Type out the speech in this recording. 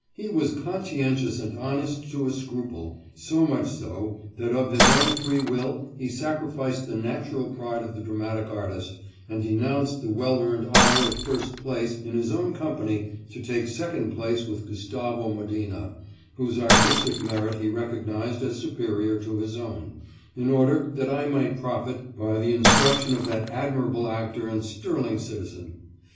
He was con scientious and honest to a scruple; so much so that of his own free will he sacrificed the natural pride of the dramatic artist, and denounced the well earned honour of first place in his own company to take second place with Gustavo Modena, whose artistic merit he recognised as superior to his own, in order that I might profit by the instruction of that admirable actor and sterling citizen.